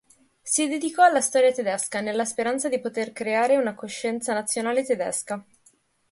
Si dedicò alla storia tedesca, nella speranza di poter creare una coscienza nazionale tedesca.